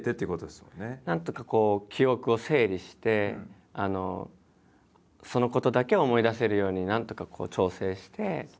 なんとかこう記憶を整理してそのことだけを思い出せるようになんとかこう調整して。